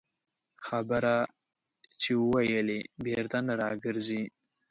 خبره چې ووېلې، بېرته نه راګرځي